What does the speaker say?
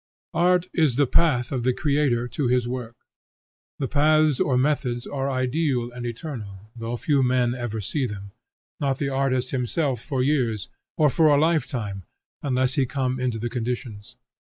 Art is the path of the creator to his work. The paths or methods are ideal and eternal, though few men ever see them; not the artist himself for years, or for a lifetime, unless he come into the conditions.